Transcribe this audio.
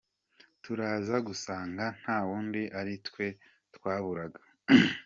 Turaza gusanga nta wundi ari twe twaburaga.